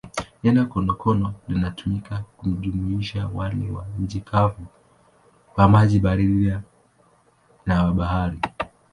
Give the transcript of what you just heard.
Neno konokono linatumika kujumuisha wale wa nchi kavu, wa maji baridi na wa bahari.